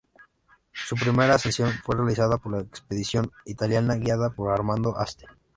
Su primera ascensión fue realizada por la expedición italiana guiada por Armando Aste.